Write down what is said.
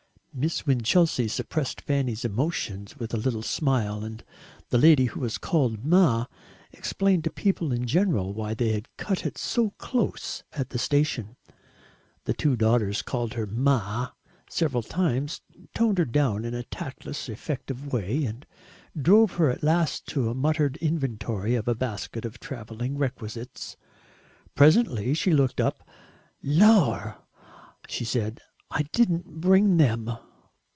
Miss Winchelsea suppressed Fanny's emotions with a little smile, and the lady who was called "Ma" explained to people in general why they had "cut it so close" at the station. The two daughters called her "Ma" several times, toned her down in a tactless effective way, and drove her at last to the muttered inventory of a basket of travelling requisites. Presently she looked up. "Lor'!" she said, "I didn't bring THEM!"